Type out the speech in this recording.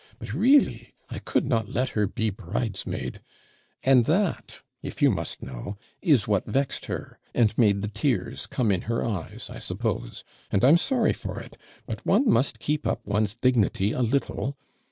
But REELLY I could not let her be bridesmaid; and that, if you must know, is what vexed her, and made the tears come in her eyes, I suppose and I'm sorry for it; but one must keep up one's dignity a little.